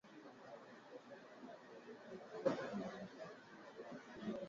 Kutokula ipasavyo kunasababisha kupungua kwa maziwa